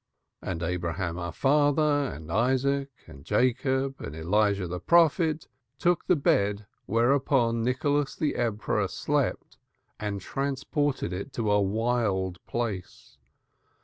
And Abraham our father, and Isaac and Jacob, and Elijah the prophet took the bed whereon Nicholas the Emperor slept and transported it to a wild place.